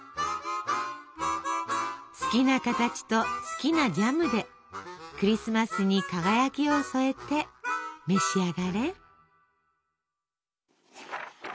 好きな形と好きなジャムでクリスマスに輝きを添えて召し上がれ！